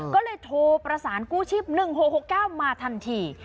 ก็เลยโทรประสานกู้ชีพ๑๖๖๙มาทันที